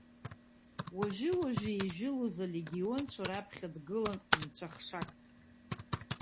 Уажәы-уажәы ижәылоз алегионцәа раԥхьа дгылан нцәахшак.